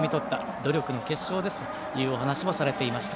努力の結晶ですというお話もされていました。